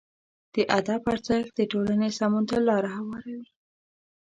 د ادب ارزښت د ټولنې سمون ته لاره هواروي.